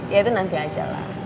ya itu nanti aja lah